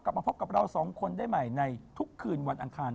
กลับมาพบกับเราสองคนได้ใหม่ในทุกคืนวันอังคาร